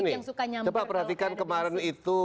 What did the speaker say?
yang suka nyamper coba perhatikan kemarin itu